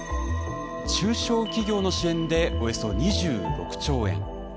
中小企業の支援でおよそ２６兆円。